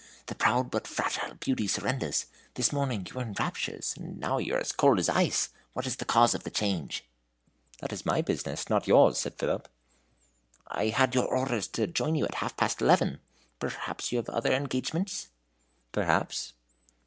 The proud but fragile beauty surrenders. This morning you were in raptures, and now you are as cold as ice! What is the cause of the change?" "That is my business, not yours," said Philip. "I had your orders to join you at half past eleven. Perhaps you have other engagements?" "Perhaps."